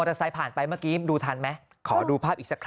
เตอร์ไซค์ผ่านไปเมื่อกี้ดูทันไหมขอดูภาพอีกสักครั้ง